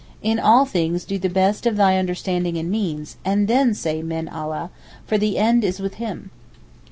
In all things do the best of thy understanding and means, and then say Min Allah, for the end is with Him!